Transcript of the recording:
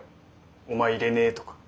お前入れねとか。